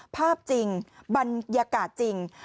ภาพจริงบรรยากาศจริง